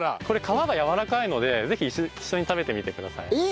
これ皮がやわらかいのでぜひ一緒に食べてみてください。